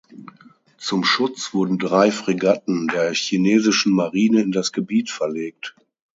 Zum Schutz wurden drei Fregatten der chinesischen Marine in das Gebiet verlegt.